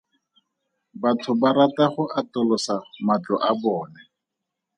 Batho ba rata go atolosa matlo a bone.